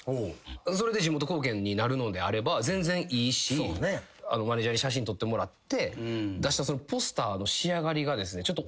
それで地元貢献になるのであれば全然いいしマネジャーに写真撮ってもらって出したその。